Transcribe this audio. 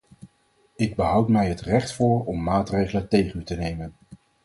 Ik behoud mij het recht voor om maatregelen tegen u te nemen.